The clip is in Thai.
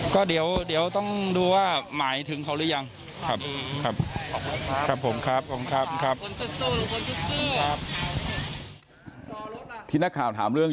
ขอบคุณครับขอบคุณครับขอบคุณครับขอบคุณครับที่นักข่าวถามเรื่อง